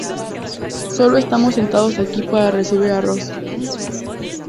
Solo estamos sentados aquí para recibir arroz.